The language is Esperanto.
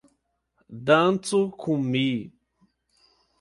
Dancu kun mi!